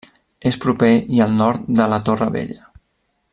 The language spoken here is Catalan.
És proper i al nord de la Torre Vella.